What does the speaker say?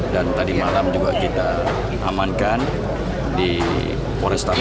dan tadi malam juga kita amankan di forestasi